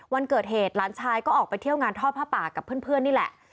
วันเกิดเหตุหลานชายก็ออกไปเที่ยวงานทอดผ้าป่ากับเพื่อนนี่แหละ